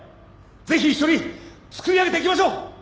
ぜひ一緒に作り上げていきましょう！